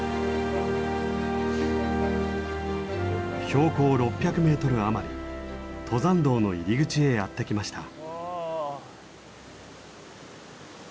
標高６００ｍ余り登山道の入り口へやって来ました。